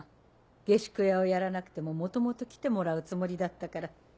下宿屋をやらなくてももともと来てもらうつもりだったから。